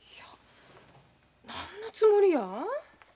何のつもりや？